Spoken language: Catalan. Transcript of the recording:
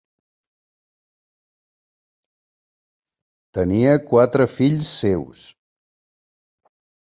Tenia quatre fills seus.